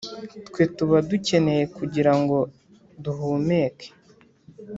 twe tuba dukeneye kugira ngo duhumeke.